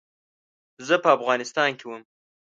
زه په افغانستان کې وم.